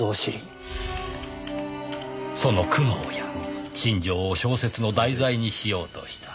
その苦悩や心情を小説の題材にしようとした。